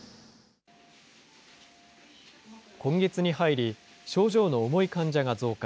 今月に入り、症状の重い患者が増加。